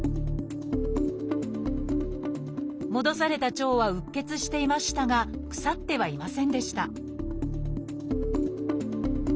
戻された腸はうっ血していましたが腐ってはいませんでした